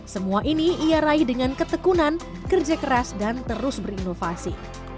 semua ini ia raih dengan ketekunan kerja keras dan terus berinovasi